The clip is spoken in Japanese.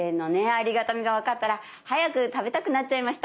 ありがたみが分かったら早く食べたくなっちゃいました。